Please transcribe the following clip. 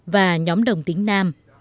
và nhóm đồng tính nam